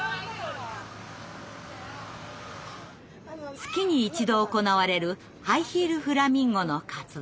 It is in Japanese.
月に一度行われる「ハイヒール・フラミンゴ」の活動。